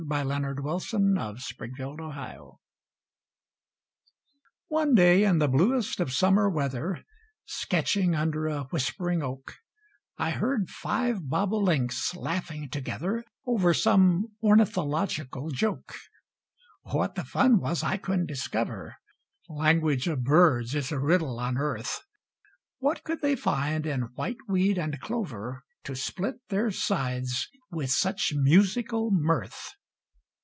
Christopher Pearse Cranch Bird Language ONE day in the bluest of summer weather, Sketching under a whispering oak, I heard five bobolinks laughing together Over some ornithological joke. What the fun was I couldn't discover. Language of birds is a riddle on earth. What could they find in whiteweed and clover To split their sides with such musical mirth?